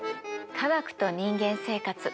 「科学と人間生活」